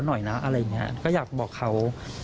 ฮ่า